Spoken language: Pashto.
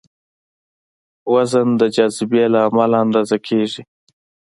وزن د جاذبې له امله اندازه کېږي.